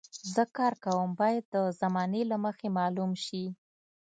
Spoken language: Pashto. زه کار کوم باید د زمانې له مخې معلوم شي.